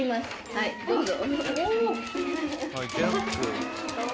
はいどうぞ。